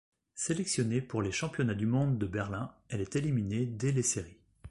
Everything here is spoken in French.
Sélectionnée pour les Championnats du monde de Berlin, elle est éliminée dès les séries.